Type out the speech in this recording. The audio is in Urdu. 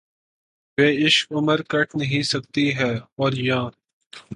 بے عشق عمر کٹ نہیں سکتی ہے‘ اور یاں